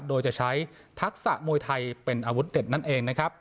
โดยจะใช้ทักษะมวยไทยเป็นอาวุธเด็ดนั่นเองนะครับ